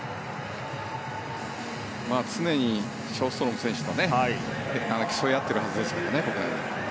常にショーストロム選手と競い合っているはずですからね。